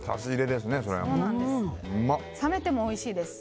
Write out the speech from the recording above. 冷めてもおいしいです。